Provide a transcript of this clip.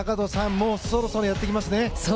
もうそろそろやってきますね。